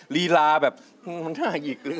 ลีลาแบบมันน่าหยิกเลย